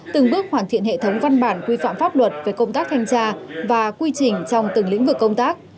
từng bước hoàn thiện hệ thống văn bản quy phạm pháp luật về công tác thanh tra và quy trình trong từng lĩnh vực công tác